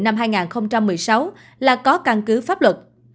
năm hai nghìn một mươi sáu là có căn cứ pháp luật